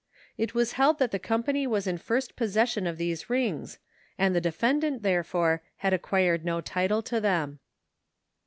It was held that the company was in first possession of these rings, and the defendant, therefore, had acquired no title to them.